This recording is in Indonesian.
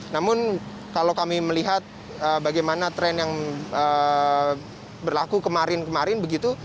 namun kalau kami melihat bagaimana tren yang berlaku kemarin kemarin begitu